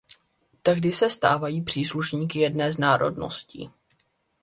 Tehdy se stávají příslušníky jedné z národností.